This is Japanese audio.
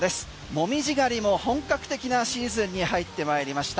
紅葉狩りも本格的なシーズンに入ってまいりました。